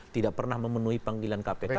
tidak pernah memenuhi panggilan kpk